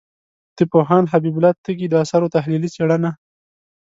د پوهاند حبیب الله تږي د آثارو تحلیلي څېړنه